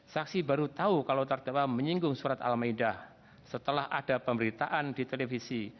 saksi baru tahu kalau terdakwa menyinggung surat al ⁇ maidah setelah ada pemberitaan di televisi